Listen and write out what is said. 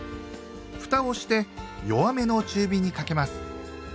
ふたをして弱めの中火にかけます。